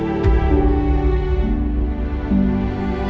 mbak catherine kita mau ke rumah